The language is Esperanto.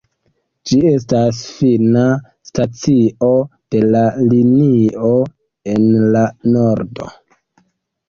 Ĝi estas fina stacio de la linio en la nordo.